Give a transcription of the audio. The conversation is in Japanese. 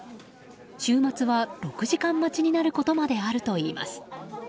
週末は６時間待ちになることまであるといいます。